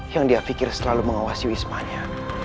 yang dia pikir selalu mengawasi wismanya